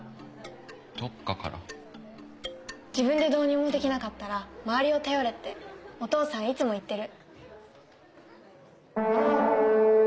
自分でどうにもできなかったら周りを頼れってお父さんいつも言ってる。